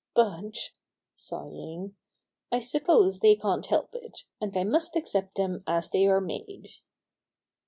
But," sighing, "I suppose they can't help it, and I must accept them as they are made."